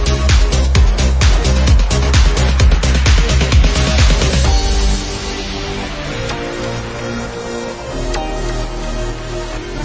น้องอยู่ด้านใบไฟนะครับมันอาจจะไม่เจอเหตุการณ์ตายนะครับ